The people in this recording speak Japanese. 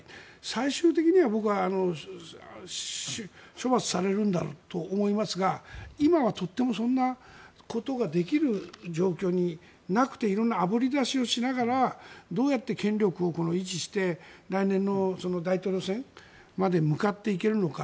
最終的には、僕は処罰されるんだろうと思いますが今は、とってもそんなことができる状況になくて色んなあぶり出しをしながらどうやって権力を維持して来年の大統領選まで向かっていけるのか。